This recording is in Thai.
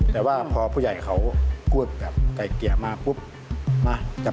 แต่ว่าพอผู้ใหญ่เขากลัวแบบกลายเกี้ยมา